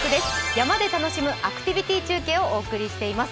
山で楽しむアクティビティー中継をお送りしています。